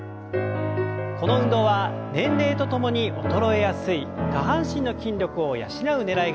この運動は年齢とともに衰えやすい下半身の筋力を養うねらいがあります。